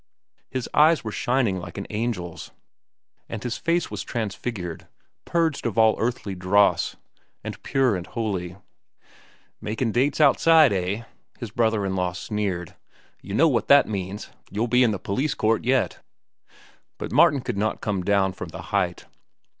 His eyes were shining like an angel's, and his face was transfigured, purged of all earthly dross, and pure and holy. "Makin' dates outside, eh?" his brother in law sneered. "You know what that means. You'll be in the police court yet." But Martin could not come down from the height.